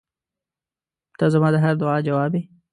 • ته زما د هر دعا جواب یې.